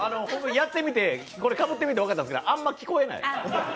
やってみて、これかぶってみて分かったんやけど、あまり聞こえない。